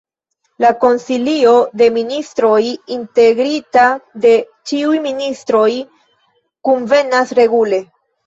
La Konsilio de Ministroj, integrita de ĉiuj ministroj, kunvenas regule.